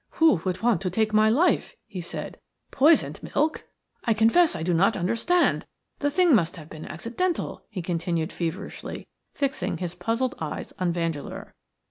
"Who would want to take my life?" he said. "Poisoned milk! I confess I do not understand. The thing must have been accidental," he continued, feverishly, fixing his puzzled eyes on Vandeleur.